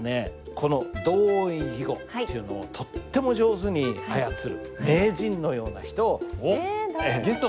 この同音異義語っていうのをとっても上手に操る名人のような人を。